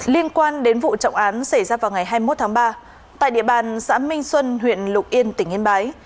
liên quan đến vụ trọng án xảy ra vào ngày hai mươi một tháng ba tại địa bàn xã minh xuân huyện lục yên tỉnh yên bái